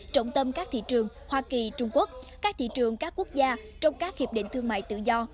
trọng tâm các thị trường hoa kỳ trung quốc các thị trường các quốc gia trong các hiệp định thương mại tự do